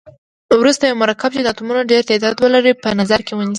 وروسته یو مرکب چې د اتومونو ډیر تعداد ولري په نظر کې ونیسئ.